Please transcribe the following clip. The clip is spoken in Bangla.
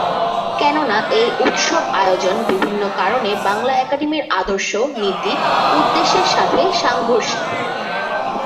কেননা এই উৎসব আয়োজন বিভিন্ন কারণে বাংলা একাডেমির আদর্শ-নীতি-উদেশ্যের সাথে সাংঘর্ষিক।